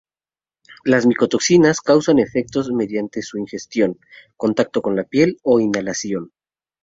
Las micotoxinas causan efectos mediante su ingestión, contacto con la piel o inhalación.